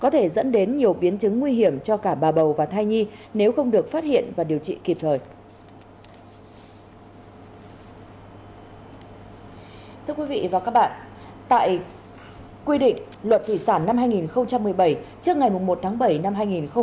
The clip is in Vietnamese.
tại quy định luật thủy sản năm hai nghìn một mươi bảy trước ngày một tháng bảy năm hai nghìn một mươi chín